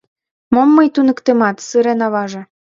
— Мом мый туныктенам? — сырен аваже.